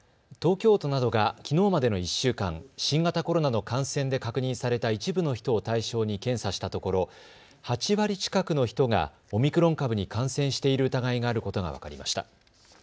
東京都などからきのうまでの１週間、新型コロナの感染が確認された一部の人を対象に検査したところ８割近くの人がオミクロン株に感染している疑いがあることが分かりました。